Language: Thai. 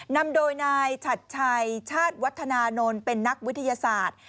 นำโดยนายฉัดชัยชาติวัฒนานนท์เป็นนักวิทยาศาสตร์